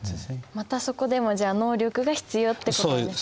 またそこでもじゃあ能力が必要ってことですね。